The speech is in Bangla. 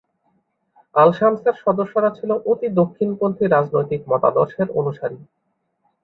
আল-শামসের সদস্যরা ছিল অতি দক্ষিণপন্থি রাজনৈতিক মতাদর্শের অনুসারী।